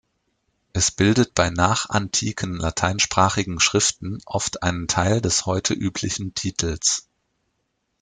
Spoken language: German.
Es bildet bei nachantiken lateinischsprachigen Schriften oft einen Teil des heute üblichen Titels.